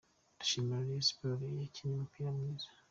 Ndashimira Rayon Sport yakinnye umupira mwiza.